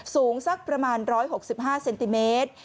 สูงสักประมาณ๑๖๕เซนติเมตร